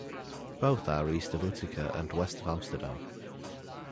Both are east of Utica and west of Amsterdam.